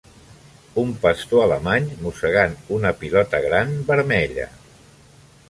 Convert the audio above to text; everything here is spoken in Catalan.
un pastor alemany mossegant una pilota gran vermella.